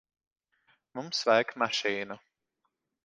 Mums vajag mašīnu.